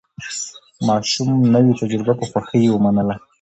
ماشوم نوې تجربه په خوښۍ ومنله